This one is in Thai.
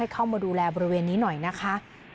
เข้ามาดูแลบริเวณนี้หน่อยนะคะ